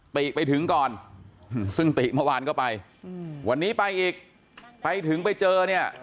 ติไปถึงก่อนซึ่งติเมื่อวานก็ไปวันนี้ไปอีกไปถึงไปเจอเนี่ย